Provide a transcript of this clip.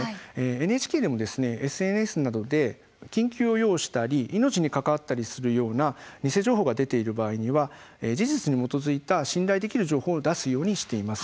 ＮＨＫでもＳＮＳなどで緊急を要したり命に関わったりするような偽情報が出ている場合には事実に基づいた信頼できる情報を出すようにしています。